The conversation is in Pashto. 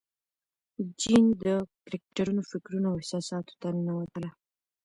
جین د کرکټرونو فکرونو او احساساتو ته ننوتله.